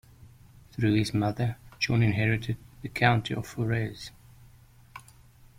Through his mother, John inherited the County of Forez.